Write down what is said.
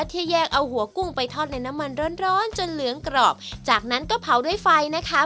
ที่แยกเอาหัวกุ้งไปทอดในน้ำมันร้อนร้อนจนเหลืองกรอบจากนั้นก็เผาด้วยไฟนะคะ